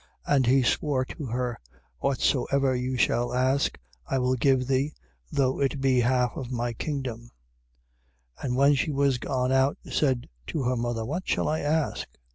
6:23. And he swore to her: Whatsoever thou shalt ask I will give thee, though it be the half of my kingdom. 6:24. Who when she was gone out, said to her mother, What shall I ask?